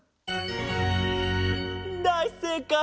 だいせいかい！